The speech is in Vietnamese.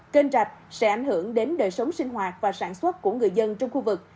kênh rạch sẽ ảnh hưởng đến đời sống sinh hoạt và sản xuất của người dân trong khu vực